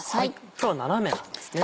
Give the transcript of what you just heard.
今日は斜めなんですね。